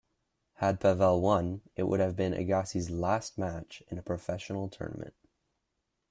Had Pavel won, it would have been Agassi's last match in a professional tournament.